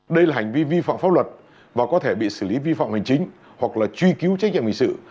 đây là hành vi vi phạm pháp luật và có thể bị xử lý vi phạm hành chính hoặc là truy cứu trách nhiệm hình sự